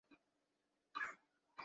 তোমার সব চালাকি।